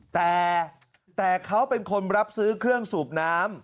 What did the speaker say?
แต่เขาเป็นคนรับซื้อเครื่องสูบน้ำ